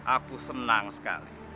aku senang sekali